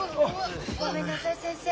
ごめんなさい先生。